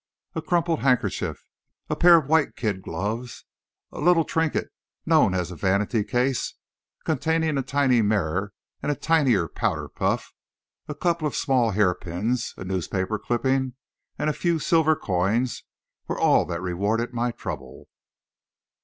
A crumpled handkerchief, a pair of white kid gloves, a little trinket known as a "vanity case," containing a tiny mirror and a tinier powder puff; a couple of small hair pins, a newspaper clipping, and a few silver coins were all that rewarded my trouble.